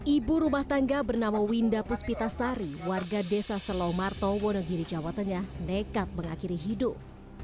ibu rumah tangga bernama winda puspitasari warga desa selomar tawo negeri jawa tengah nekat mengakhiri hidup